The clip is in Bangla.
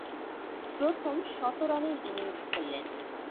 প্রথম শতরানের ইনিংস খেলেন।